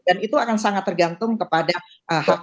dan itu akan sangat tergantung kepada hak hak